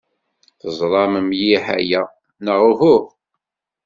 Teẓram mliḥ aya, neɣ uhu?